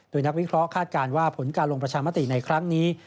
โดยนักวิเคราะห้าดการณ์ว่าผลการลงประชามติในครั้งนี้